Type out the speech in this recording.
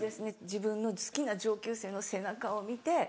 自分の好きな上級生の背中を見て。